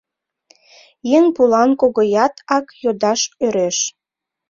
Еҥ пулан Когоят ак йодаш ӧреш.